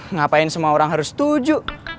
ngapain semua orang harus setuju